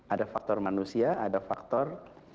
ada faktor manusia ada faktor